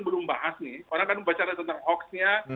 belum bahas nih orang kan membacanya tentang hoax nya